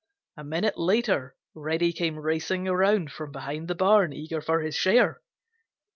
A minute later Reddy came racing around from behind the barn eager for his share.